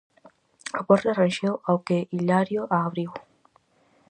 A porta renxeu ao que Hilario a abriu.